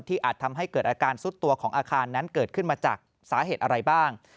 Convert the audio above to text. อาจทำให้เกิดอาการซุดตัวของอาคารนั้นเกิดขึ้นมาจากสาเหตุอะไรบ้าง